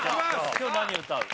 今日何歌う？